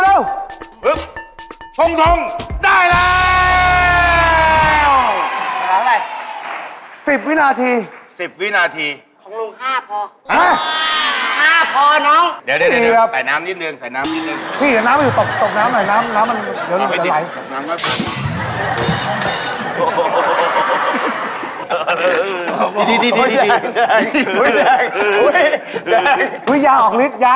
เอาเหลี่ยวหัวเสียงมาได้